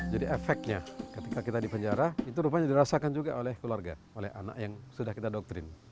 jadi efeknya ketika kita dipenjara itu rupanya dirasakan juga oleh keluarga oleh anak yang sudah kita doktrin